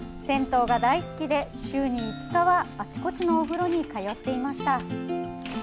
銭湯が大好きで週に５日は、あちこちのお風呂に通っていました。